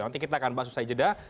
nanti kita akan bakal susah jeda